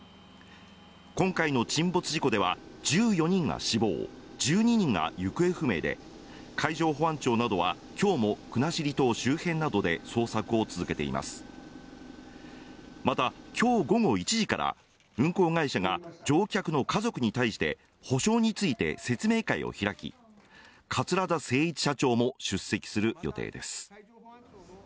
今回の沈没事故では１４人が死亡１２人が行方不明で海上保安庁などはきょうも国後島周辺などで捜索を続けていますまたきょう午後１時から運航会社が乗客の家族に対して補償について説明会を開き桂田精一社長も出席する予定です